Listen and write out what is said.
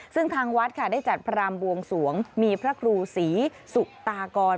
ซึ่งทางวัดค่ะได้จัดพรามบวงสวงมีพระครูศรีสุตากร